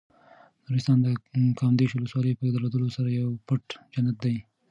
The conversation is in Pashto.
نورستان د کامدېش ولسوالۍ په درلودلو سره یو پټ جنت دی.